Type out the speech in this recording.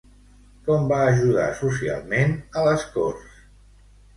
Com va ajudar socialment a les Corts?